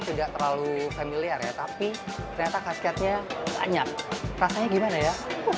tidak terlalu familiar ya tapi ternyata kasketnya banyak rasanya gimana ya